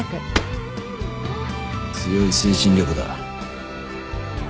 強い精神力だ。